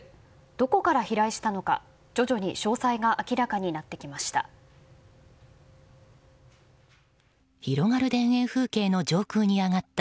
どこから飛来したのか徐々に詳細が明らかになってきました。